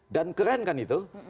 dan keren kan itu